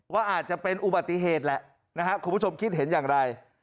ว่าอาจจะเป็นอุบัติเหตุแหละนะครับคุณผู้ชมคิดเห็นอย่างไร